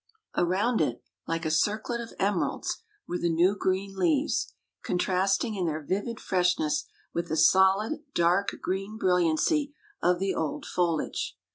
Around it, like a circlet of emeralds, were the new green leaves, contrasting in their vivid freshness with the solid, dark green brilliancy of the old foliage.